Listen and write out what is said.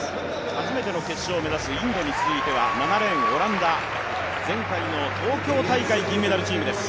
初めての決勝を目指すインドに続いては７レーン、オランダ、前回の東京大会銀メダルチームです。